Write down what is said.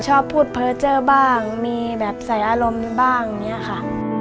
ชอบพูดเพอร์เจอร์บ้างมีแบบใส่อารมณ์บ้างอย่างนี้ค่ะ